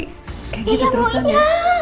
kayak gitu terusan ya